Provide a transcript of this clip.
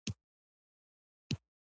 نه مډرن شوي دي.